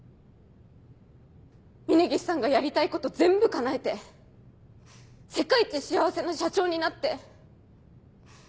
峰岸さんがやりたいこと全部かなえて世界一幸せな社長になって。